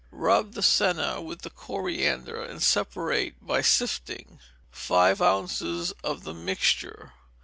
Rub the senna with the coriander, and separate, by sifting, five ounces of the mixture.